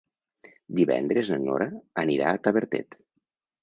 Divendres na Nora anirà a Tavertet.